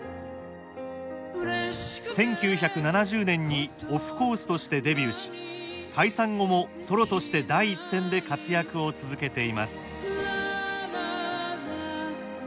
１９７０年にオフコースとしてデビューし解散後もソロとして第一線で活躍を続けています。